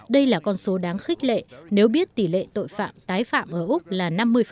đây là con số đáng khích lệ nếu biết tỷ lệ tội phạm tái phạm ở úc là năm mươi